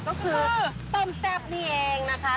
ก็คือต้มแซ่บนี่เองนะคะ